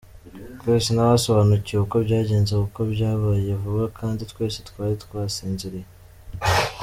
Twese ntabasobanukiwe uko byagenze kuko byabaye vuba kandi twese twari tasinziriye.